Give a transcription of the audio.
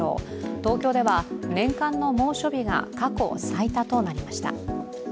東京では年間の猛暑日が過去最多となりました。